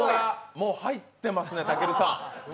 もう入ってますね、たけるさん。